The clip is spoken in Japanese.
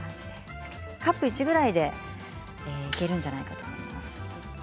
カップ１ぐらいでいけるんじゃないかと思います。